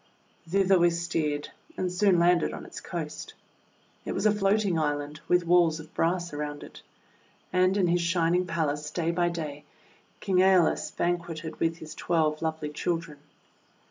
Thither we steered, and soon landed on its coast. It wras a floating island, with walls of brass around it. And in his shining palace, day by day, King ^Eolus banqueted with his twelve lovely children.